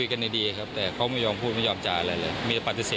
ก็เลยใช้โชคนะครับโชคอัพฝาดไปที่หลัง๓ที